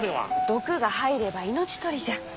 毒が入れば命取りじゃ。